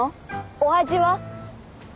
お味は？